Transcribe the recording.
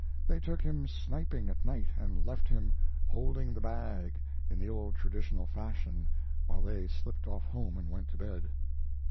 They took him sniping at night and left him "holding the bag" in the old traditional fashion while they slipped off home and went to bed.